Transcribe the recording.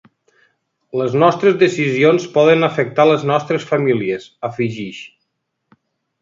Les nostres decisions poden afectar les nostres famílies…, afegeix.